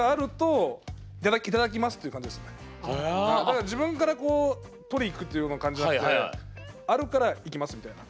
ですからだから自分から取りいくっていうような感じじゃなくてあるからいきますみたいな。